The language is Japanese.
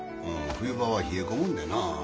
冬場は冷え込むんでな